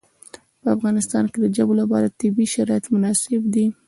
په افغانستان کې د ژبو لپاره طبیعي شرایط مناسب دي.